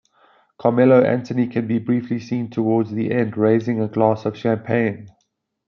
Carmelo Anthony can be briefly seen towards the end, raising a glass of champagne.